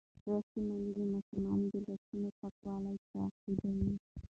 لوستې میندې د ماشوم د لاسونو پاکوالی تعقیبوي.